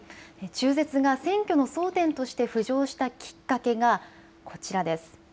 中絶が選挙の争点として浮上したきっかけがこちらです。